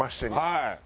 はい。